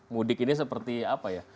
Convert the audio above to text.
mudik ini seperti apa ya